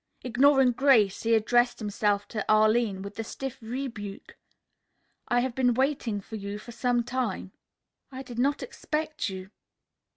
Ignoring Grace he addressed himself to Arline with the stiff rebuke: "I have been waiting for you for some time." "I did not expect you."